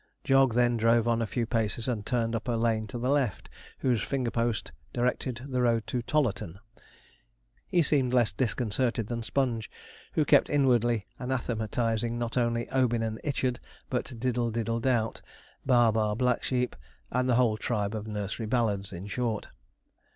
Jog then drove on a few paces, and turned up a lane to the left, whose finger post directed the road 'to Tollarton.' He seemed less disconcerted than Sponge, who kept inwardly anathematizing, not only 'Obin and Ichard,' but 'Diddle, diddle, doubt' 'Bah, bah, black sheep' the whole tribe of nursery ballads, in short.